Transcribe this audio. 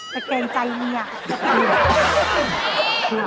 แต่เกรงใจเมีย